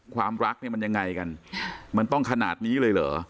ความรักเนี่ยมันยังไงกันมันต้องขนาดนี้เลยเหรอ